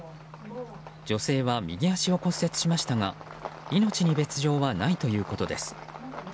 女性は右足を骨折しましたが命に別条はないということです。